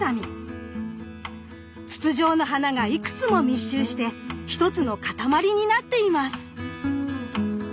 筒状の花がいくつも密集して一つのかたまりになっています。